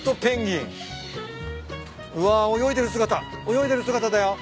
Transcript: うわ泳いでる姿泳いでる姿だよ。